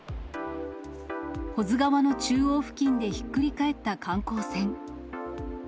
保津川の中央付近でひっくり返った観光船。